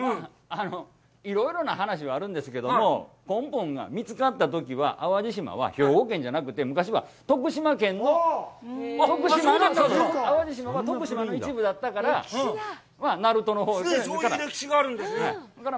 いろいろな話はあるんですけども、根本が見つかったときは、淡路島は兵庫県じゃなくて昔は徳島県の、淡路島の徳島の一部だったから、ナルトのほうという意味から。